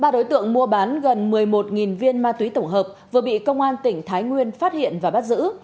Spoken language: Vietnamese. ba đối tượng mua bán gần một mươi một viên ma túy tổng hợp vừa bị công an tỉnh thái nguyên phát hiện và bắt giữ